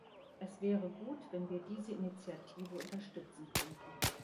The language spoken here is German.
Es wäre gut, wenn wir diese Initiative unterstützen könnten.